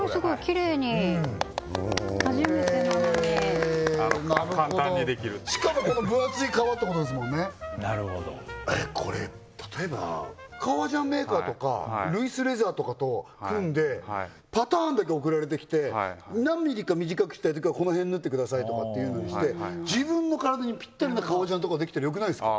きれいに初めてなのに簡単にできるしかもこの分厚い革ってことですもんねこれ例えば革ジャンメーカーとかＬｅｗｉｓＬｅａｔｈｅｒｓとかと組んでパターンだけ送られてきて何ミリか短くしたいときはこの辺縫ってくださいとかっていうのにして自分の体にピッタリな革ジャンとかできたらよくないですか？